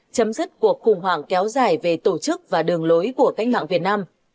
chấm dứt cuộc khủng hoảng kéo dài về tổ chức và đường lối của cách mạng việt nam